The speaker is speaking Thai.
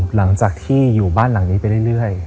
หลังจากที่อยู่บ้านหลังนี้ไปเรื่อย